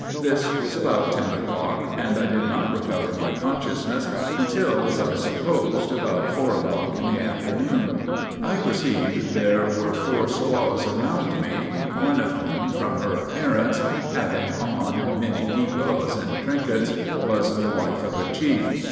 This was about ten o'clock, and I did not recover my consciousness until, as I supposed, about four o'clock in the afternoon. I perceived there were four squaws around me, one of whom, from her appearance, having on many gewgaws and trinkets, was the wife of a chief.